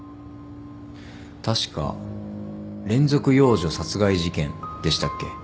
確か連続幼女殺害事件でしたっけ。